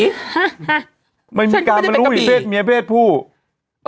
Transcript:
ฮะฮะไม่มีการบอกไม่รู้ว่าจะเป็นกะบี่